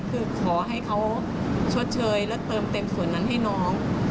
คือขอให้เขาชดเชยและเติมเต็มส่วนนั้นให้น้อง